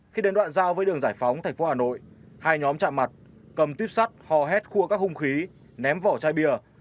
khi đến đoạn giao với đường giải phóng thành phố hà nội hai nhóm chạm mặt cầm tuyếp sắt hò hét khua các hung khí ném vỏ chai bia